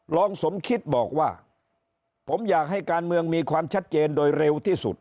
รองสมคิดบอกว่าผมอยากให้การเมืองมีความชัดเจนโดยเร็วที่สุด